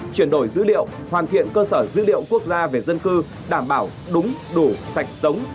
chuyển đổi dữ liệu hoàn thiện cơ sở dữ liệu quốc gia về dân cư đảm bảo đúng đủ sạch sống